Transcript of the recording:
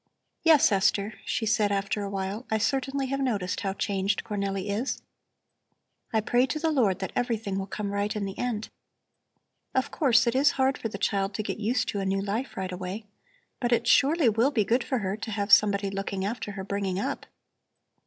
"Yes, Esther," she said after a while, "I certainly have noticed how changed Cornelli is. I pray to the Lord that everything will come right in the end. Of course, it is hard for the child to get used to a new life right away. But it surely will be good for her to have somebody looking after her bringing up."